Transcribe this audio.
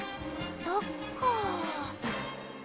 そっか。